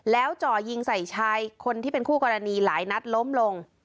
แล้วจ่อยิงใส่ชายคนที่เป็นคู่กรณีหลายนัดล้มลง